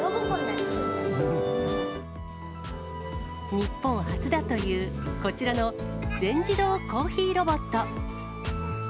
日本初だという、こちらの全自動コーヒーロボット。